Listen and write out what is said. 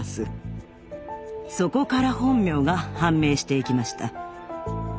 そこから本名が判明していきました。